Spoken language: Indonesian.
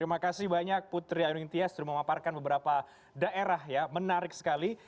terima kasih banyak putri ayun intiastri memaparkan beberapa daerah menarik sekali